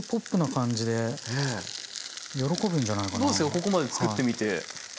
ここまで作ってみて。